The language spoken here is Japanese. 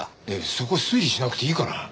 そこ推理しなくていいから。